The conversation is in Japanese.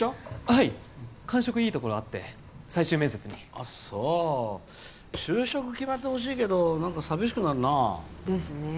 はい感触いいところあって最終面接にあっそう就職決まってほしいけど何か寂しくなるなですね